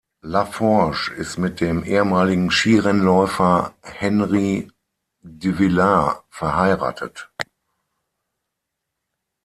Lafforgue ist mit dem ehemaligen Skirennläufer Henri Duvillard verheiratet.